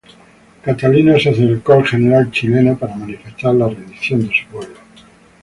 Catalina se acercó al general chileno para manifestar la rendición de su pueblo.